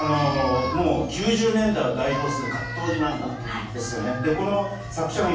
９０年代を代表する格闘技マンガですよね。